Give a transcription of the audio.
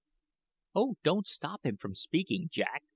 "Oh, don't stop him from speaking, Jack!"